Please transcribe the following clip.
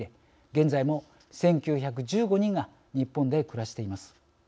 現在も１９１５人が日本で暮らしています。